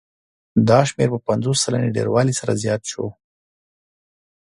دا شمېر په پنځوس سلنې ډېروالي سره زیات شو